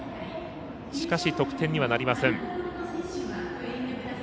しかし得点にはなりません。